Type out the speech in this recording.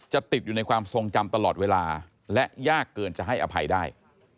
ติดอยู่ในความทรงจำตลอดเวลาและยากเกินจะให้อภัยได้